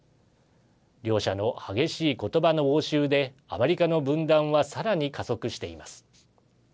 両者の激しい言葉の応酬でアメリカの分断はさらに加速しています。